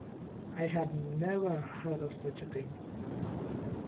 I had never heard of such a thing.